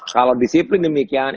kalau disiplin demikian